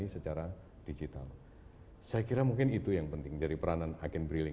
saya kira mungkin itu yang penting jadi peranan agen briling